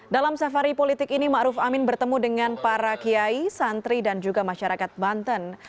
dalam safari politik ini ⁇ maruf ⁇ amin bertemu dengan para kiai santri dan juga masyarakat banten